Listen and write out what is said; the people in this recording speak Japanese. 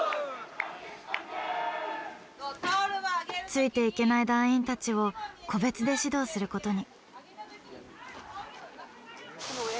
ついていけない団員たちを個別で指導することに。